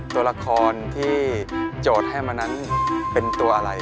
ตัวละครที่โจทย์ให้มานั้นเป็นตัวอะไร